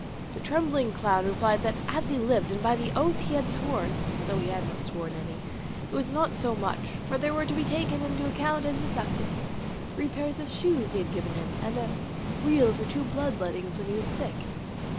The trembling clown replied that as he lived and by the oath he had sworn (though he had not sworn any) it was not so much; for there were to be taken into account and deducted three pairs of shoes he had given him, and a real for two blood lettings when he was sick.